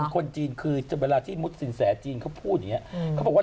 คนจีนคือแต่เวลาที่มุฒิสินแสจีนเขาพูดอย่างนี้